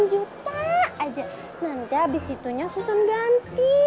enam juta aja nanti abis itunya susah ganti